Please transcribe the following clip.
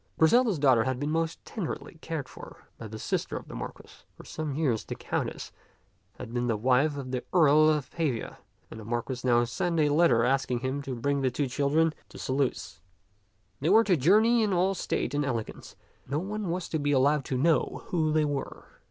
Griselda's daughter had been most tenderly cared for by the sister of the Marquis. For some years the Countess had been the wife of the Earl of Pavia, and to him the Marquis now sent a letter asking him to bring the two children to Saluces. They were to jour ney in all state and elegance, but no one was to be allowed to know who they were.